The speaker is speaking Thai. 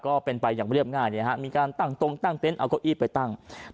ก็เป็นไปอย่างเรียบง่ายมีการตั้งตรงตั้งเต็นต์เอาเก้าอี้ไปตั้ง